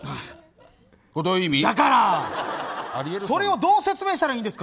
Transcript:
どう説明したらいいんですか。